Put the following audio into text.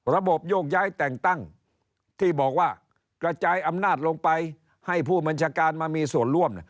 โยกย้ายแต่งตั้งที่บอกว่ากระจายอำนาจลงไปให้ผู้บัญชาการมามีส่วนร่วม